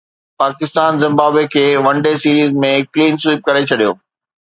Pakistan Zimbabwe کي one day series ۾ clean sweep ڪري ڇڏيو